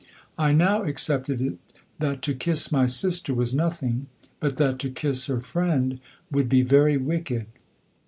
I now accepted it that to kiss my sister was nothing, but that to kiss her friend would be very wicked.